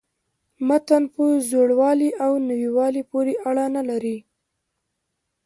متن په زوړوالي او نویوالي پوري اړه نه لري.